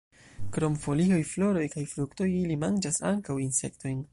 Krom folioj, floroj kaj fruktoj, ili manĝas ankaŭ insektojn.